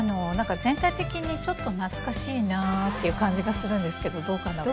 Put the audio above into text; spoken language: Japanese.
全体的にちょっと懐かしいなっていう感じがするんですけどどうかな？って。